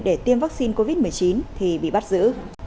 để tiêm vaccine covid một mươi chín thì bị bắt giữ